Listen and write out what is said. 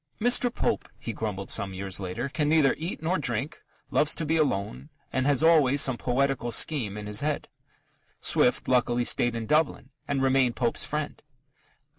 "Mr. Pope," he grumbled some years later, "can neither eat nor drink, loves to be alone, and has always some poetical scheme in his head." Swift, luckily, stayed in Dublin and remained Pope's friend.